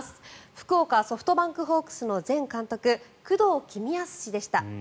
福岡ソフトバンクホークスの前監督工藤公康氏でした。